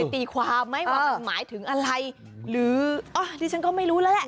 มันจะไปตีความไหมเออว่ามันหมายถึงอะไรหรืออ้อนี่ฉันก็ไม่รู้แล้วแหละ